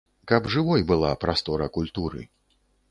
Каб жывой была прастора культуры.